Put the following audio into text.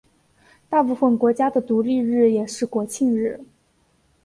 大部分国家的独立日也是国庆日。